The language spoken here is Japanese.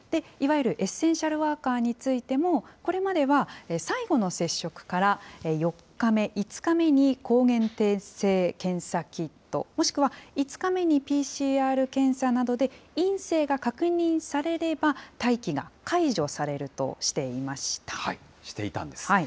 いわゆるエッセンシャルワーカーについても、これまでは最後の接触から４日目、５日目に抗原定性検査キット、もしくは５日目にＰＣＲ検査などで陰性が確認されれば、待機が解していたんです。